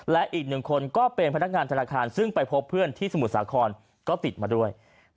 และอีกหนึ่งคนก็เป็นพนักงานธนาคารซึ่งไปพบเพื่อนที่สมุทรสาครก็ติดมาด้วย